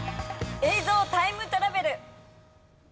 映像タイムトラベル！